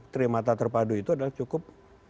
trimata terpadu itu adalah cukup